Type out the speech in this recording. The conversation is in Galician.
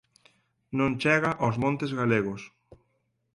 Non chega aos montes galegos.